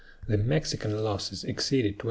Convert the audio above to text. The Mexican losses exceeded 2500.